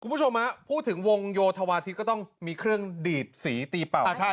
คุณผู้ชมฮะพูดถึงวงโยธวาทิศก็ต้องมีเครื่องดีดสีตีเป่า